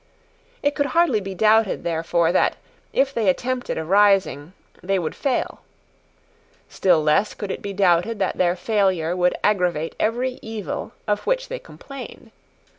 It could hardly be doubted, therefore, that, if they attempted a rising, they would fail. Still less could it be doubted that their failure would aggravate every evil of which they complained.